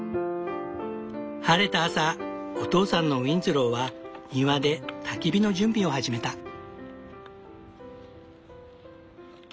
晴れた朝お父さんのウィンズローは庭でたき火の準備を始めた。